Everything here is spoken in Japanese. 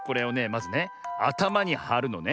まずねあたまにはるのね。